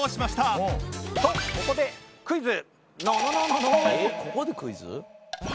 「えっここでクイズ？」